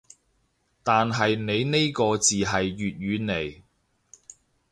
但係你呢個字係粵語嚟